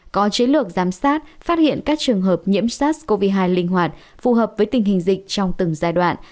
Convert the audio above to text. có chiến lược giám sát phát hiện các trường hợp nhiễm sars cov hai linh hoạt phù hợp với tình hình dịch trong từng giai đoạn